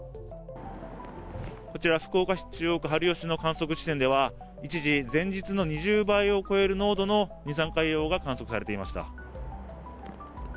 こちら福岡市中央区春吉の観測地点では一時、前日の２０倍を超える濃度の二酸化硫黄が観測されていました。